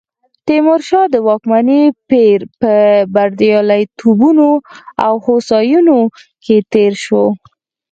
د تیمورشاه د واکمنۍ پیر په بریالیتوبونو او هوساینو کې تېر شو.